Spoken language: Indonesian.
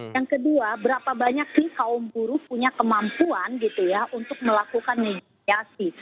yang kedua berapa banyak sih kaum buruh punya kemampuan gitu ya untuk melakukan negosiasi